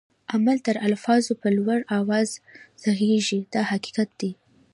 عمل تر الفاظو په لوړ آواز ږغيږي دا حقیقت دی.